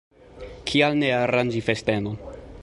Kial ne aranĝi festenon?